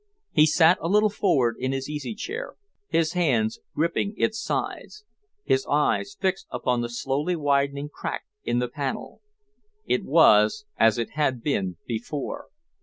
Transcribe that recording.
He sat a little forward in his easy chair, his hands gripping its sides, his eyes fixed upon the slowly widening crack in the panel. It was as it had been before.